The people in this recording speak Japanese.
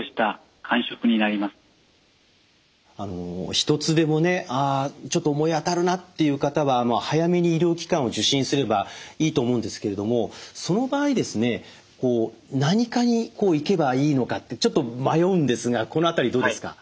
１つでもねちょっと思い当たるなっていう方は早めに医療機関を受診すればいいと思うんですけれどもその場合ですね何科に行けばいいのかってちょっと迷うんですがこの辺りどうですか？